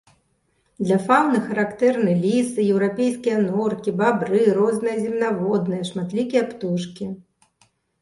Для фаўны характэрны лісы, еўрапейскія норкі, бабры, розныя земнаводныя, шматлікія птушкі.